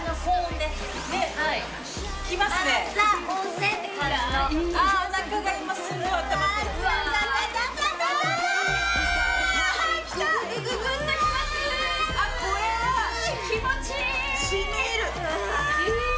でも気持ちいい。